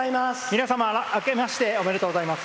皆様あけましておめでとうございます。